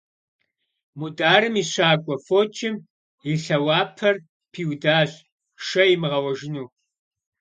Мударым и щакӀуэ фочым и лъэуапэр пиудащ шэ имыгъэуэжыну.